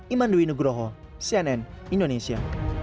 iman dwi nugroho cnn indonesia